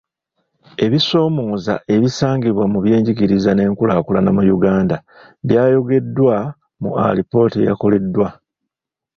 Ebisoomooza ebisangibwa mu byenjigiriza n'enkulaakulana mu Uganda byayogeddwa mu alipoota eyakoleddwa.